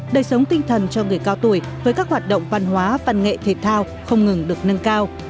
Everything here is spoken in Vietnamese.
đời sống tinh thần cho người cao tuổi với các hoạt động văn hóa văn nghệ thể thao không ngừng được nâng cao